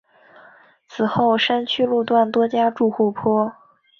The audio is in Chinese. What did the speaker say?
此后山区路段多加筑护坡。